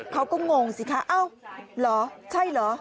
เขาก็งงสิคะเอ้าหรือใช่เหรอ